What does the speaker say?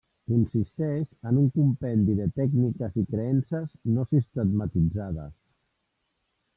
Consisteix en un compendi de tècniques i creences no sistematitzades.